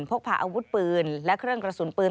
พกพาอาวุธปืนและเครื่องกระสุนปืน